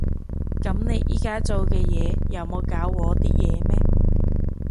噉你而家做嘅嘢又冇搞禍啲嘢咩？